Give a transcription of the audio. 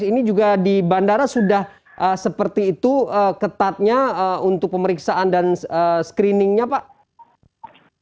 ini juga di bandara sudah seperti itu ketatnya untuk pemeriksaan dan screeningnya pak